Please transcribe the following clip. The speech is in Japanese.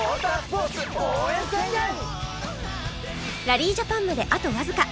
ラリージャパンまであとわずか